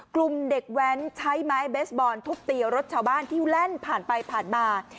กลุ่มเด็กแว้นใช้ไม้เบสบอลทุบตีรถชาวบ้านที่แล่นผ่านไปผ่านมา